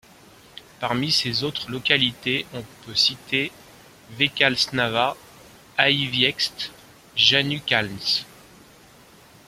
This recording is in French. Parmi ses autres localités on peut citer Veckalsnava, Aiviekste, Jāņukalns.